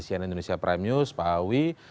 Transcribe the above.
cnn indonesia prime news pak awi